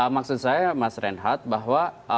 maksud saya mas reinhardt bahwa